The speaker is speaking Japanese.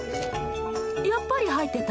やっぱり入ってた。